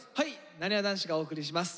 なにわ男子がお送りします